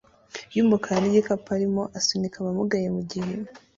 yumukara nigikapu arimo asunika abamugaye mugihe